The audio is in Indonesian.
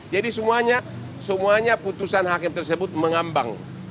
jadi semuanya semuanya putusan hakim tersebut mengambang